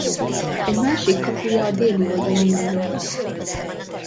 Egy másik kapuja a déli oldalon nyílott.